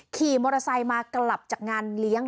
ขี่มอเตอร์ไซค์มากลับจากงานเลี้ยง